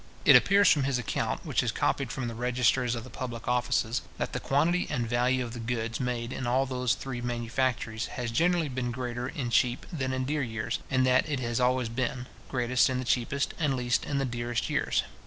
It appears from his account, which is copied from the registers of the public offices, that the quantity and value of the goods made in all those three manufactories has generally been greater in cheap than in dear years, and that it has always been greatest in the cheapest, and least in the dearest years.